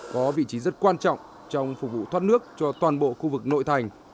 có vị trí rất quan trọng trong phục vụ thoát nước cho toàn bộ khu vực nội thành